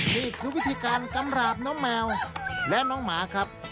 นี่คือวิธีการกำราบน้องแมวและน้องหมาครับ